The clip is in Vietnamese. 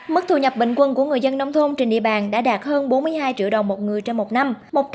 mức thu nhập bình quân của người dân nông thôn trên địa bàn đã đạt hơn bốn mươi hai triệu đồng một người trên một năm